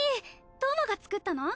橙真が作ったの？